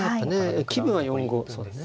気分は４五そうだね。